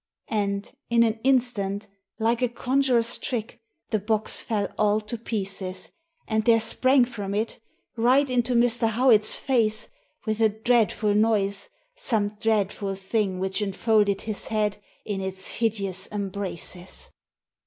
And, in an instant, like a conjurer's trick, the box fell all to pieces, and there sprang from it, right into Mr. Howitt's face, with a dreadful noise, some dreadful thing which enfolded his head in its hideous embraces.